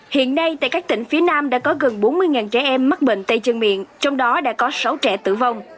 hiện nay tại các tỉnh phía nam đã có gần bốn mươi trẻ em mắc bệnh tay chân miệng trong đó đã có sáu trẻ tử vong